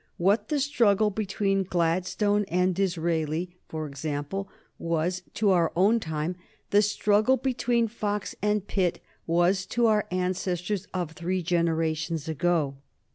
What the struggle between Gladstone and Disraeli, for example, was to our own time, the struggle between Fox and Pitt was to our ancestors of three generations ago.